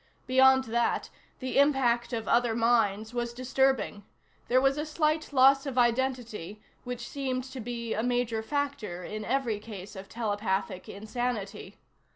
Beyond that, the impact of other minds was disturbing; there was a slight loss of identity which seemed to be a major factor in every case of telepathic insanity.